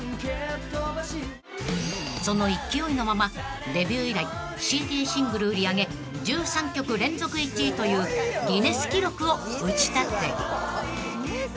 ［その勢いのままデビュー以来ＣＤシングル売上１３曲連続１位というギネス記録を打ち立て］